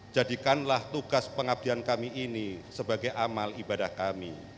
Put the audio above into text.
jadikanlah tugas pengabdian kami ini sebagai amal ibadah kami